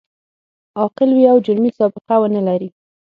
عاقل وي او جرمي سابقه و نه لري.